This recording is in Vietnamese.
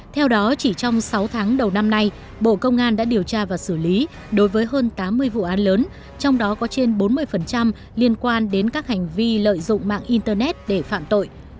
theo đó chỉ trong sáu tháng đầu năm nay bộ công an đã điều tra và xử lý đối với hơn tám mươi vụ án lớn trong đó có trên bốn mươi liên quan đến các hành vi lợi dụng mạng internet để phạm tội